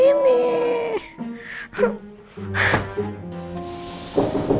terima kasih mas